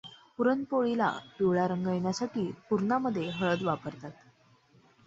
पुरण पोळीला पिवळा रंग येण्यासाठी पुराणामध्ये हळद वापरतात.